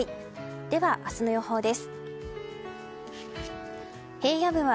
では、明日の予報です。